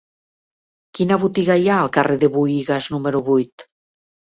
Quina botiga hi ha al carrer de Buïgas número vuit?